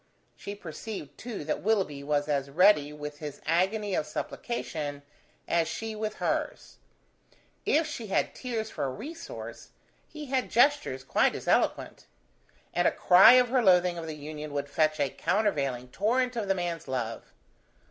She perceived too that Willoughby was as ready with his agony of supplication as she with hers. If she had tears for a resource, he had gestures quite as eloquent; and a cry of her loathing of the union would fetch a countervailing torrent of the man's love.